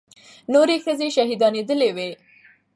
نورې ښځې شهيدانېدلې وې.